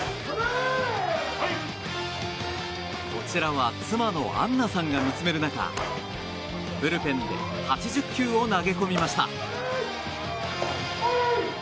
こちらは妻の杏奈さんが見つめる中ブルペンで８０球を投げ込みました。